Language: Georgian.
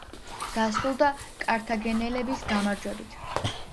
დასრულდა კართაგენელების გამარჯვებით.